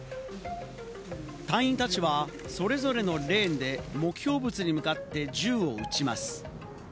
隊員たちは、それぞれのレーンで目標物に向かって銃を撃ちます。